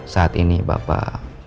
saat ini bapak